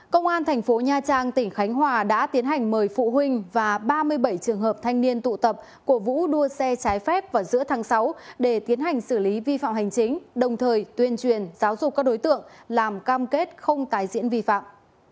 công an thành phố nha trang tỉnh khánh hòa đã tiến hành mời phụ huynh và ba mươi bảy trường hợp thanh niên tụ tập cổ vũ đua xe trái phép vào giữa tháng sáu để tiến hành xử lý vi phạm hành chính đồng thời tuyên truyền giáo dục các đối tượng làm cam kết không tái diễn vi phạm